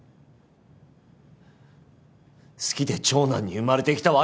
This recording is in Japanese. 好きで長男に生まれてきたわけじゃない。